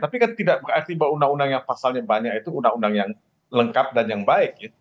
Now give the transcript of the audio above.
tapi kan tidak undang undang yang pasalnya banyak itu undang undang yang lengkap dan yang baik